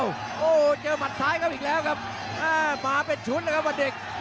โอ้โหเจอหมัดซ้ายเขาอีกแล้วครับอ่ามาเป็นชุดเลยครับวันเด็ก